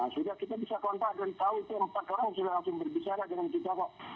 sudah kita bisa kontak dan tahu itu empat orang sudah langsung berbicara dengan kita kok